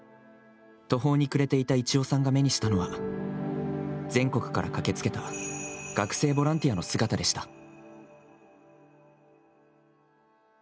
途方に暮れていた一代さんが目にしたのは全国から駆け付けた学生ボランティアの姿でした。